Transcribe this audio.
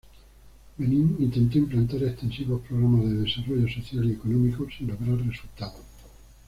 Benín intentó implantar extensivos programas de desarrollo social y económico sin lograr resultados.